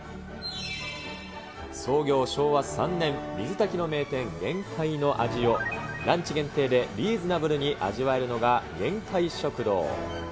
創業昭和３年、水炊きの名店、玄海の味をランチ限定でリーズナブルに味わえるのが、げんかい食堂。